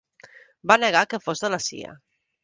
Va negar que fos de la CIA.